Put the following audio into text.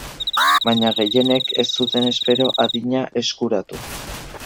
Baina gehienek ez zuten espero adina eskuratu.